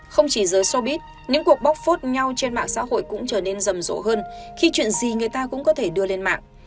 không chỉ giới sobit những cuộc bóc phốt nhau trên mạng xã hội cũng trở nên rầm rộ hơn khi chuyện gì người ta cũng có thể đưa lên mạng